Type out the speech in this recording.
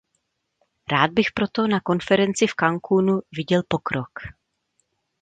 Rád bych proto na konferenci v Cancúnu viděl pokrok.